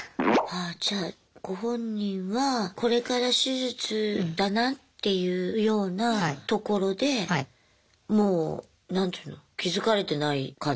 ああじゃあご本人はこれから手術だなっていうようなところでもう何ていうの気付かれてない感じで。